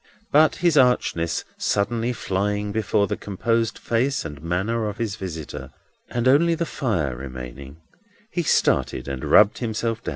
But his archness suddenly flying before the composed face and manner of his visitor, and only the fire remaining, he started and rubbed himself.